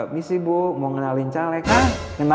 misi bu mau ngenalin caleg kan